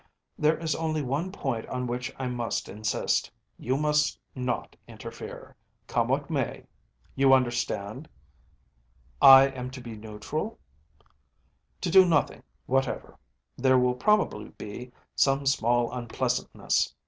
There is only one point on which I must insist. You must not interfere, come what may. You understand?‚ÄĚ “I am to be neutral?‚ÄĚ “To do nothing whatever. There will probably be some small unpleasantness.